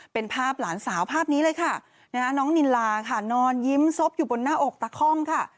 เป็นภาพหลานสาวภาพนี้เลยค่ะน้องนิลาค่ะนอนยิ้มซบอยู่บนหน้าอกตะค่อมค่ะ